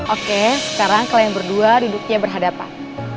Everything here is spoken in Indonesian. oke sekarang kalian berdua duduknya berhadapan